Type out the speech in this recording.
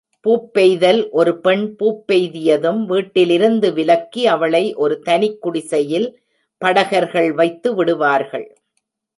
பூப்பெய்தல் ஒரு பெண் பூப்பெய்தியதும், வீட்டிலிருந்து விலக்கி, அவளை ஒரு தனிக்குடிசையில் படகர்கள் வைத்துவிடுவார்கள்.